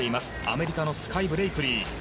アメリカのスカイ・ブレイクリー。